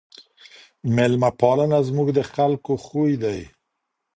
ميلمه پالنه زموږ د خلګو خوی دی.